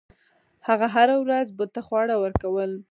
هغه هره ورځ بت ته خواړه ورکول.